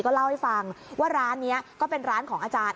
เล่าให้ฟังว่าร้านนี้ก็เป็นร้านของอาจารย์